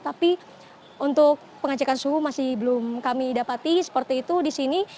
tapi untuk pengecekan suhu masih belum kami dapati seperti itu di sini